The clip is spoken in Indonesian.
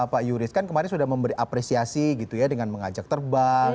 pak yuris kan kemarin sudah memberi apresiasi gitu ya dengan mengajak terbang